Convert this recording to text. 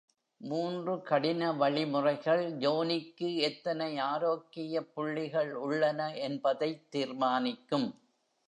மூன்று கடின வழிமுறைகள் Johnnyக்கு எத்தனை ஆரோக்கியப் புள்ளிகள் உள்ளன என்பதைத் தீர்மானிக்கும்.